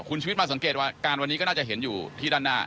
คุณชีวิตมาสังเกตว่าการวันนี้ก็น่าจะเห็นอยู่ที่ด้านหน้า